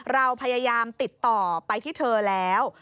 เราพยายามติดต่อไปที่เธอแล้ว